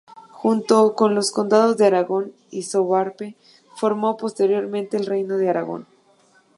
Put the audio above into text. Junto con los condados de Aragón y Sobrarbe formó posteriormente el Reino de Aragón.